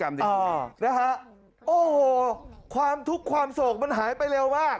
โอ้โหนะฮะโอ้โหความทุกข์ความโศกมันหายไปเร็วมาก